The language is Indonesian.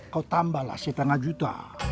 kau tambahlah setengah juta